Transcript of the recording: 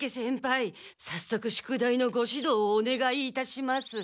さっそく宿題のご指導をお願いいたします。